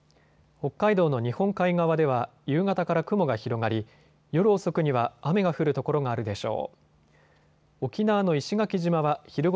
北海道の日本海側では夕方から雲が広がり夜遅くには雨が降る所があるでしょう。